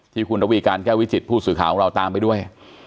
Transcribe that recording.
ที่คุณระวีการแก้ววิจิตผู้สื่อข่าวของเราตามไปด้วย